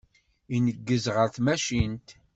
Ineggez ɣer tmacint.